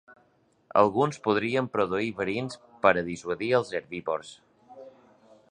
Alguns podrien produir verins per a dissuadir als herbívors.